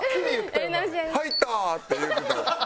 「入った？」って言うてた。